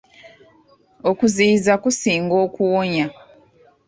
Okuziyiza kusinga okuwonya.